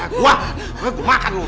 gua gua makan lo